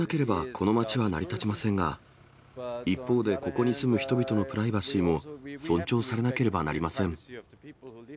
観光がなければこの町は成り立ちませんが、一方でここに住む人々のプライバシーも尊重されなければなりませ